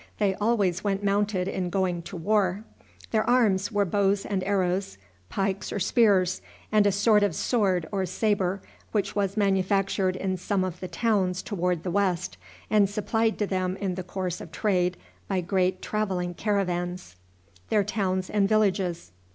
They always went mounted in going to war. Their arms were bows and arrows, pikes or spears, and a sort of sword or sabre, which was manufactured in some of the towns toward the west, and supplied to them in the course of trade by great traveling caravans.